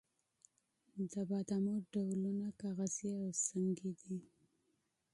د بادامو ډولونه کاغذي او سنګي دي.